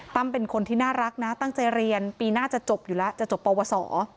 เป็นคนที่น่ารักนะตั้งใจเรียนปีหน้าจะจบอยู่แล้วจะจบปวสอ